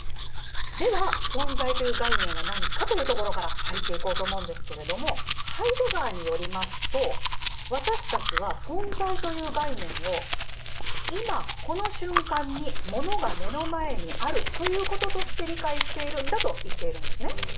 では「存在」という概念は何かというところから入っていこうと思うんですけれどもハイデガーによりますと私たちは「存在」という概念を「いまこの瞬間にモノが目の前にある」ということとして理解しているんだと言っているんですね。